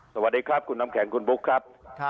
สวัสดีครับคุณน้ำแข็งคุณบุ๊คครับ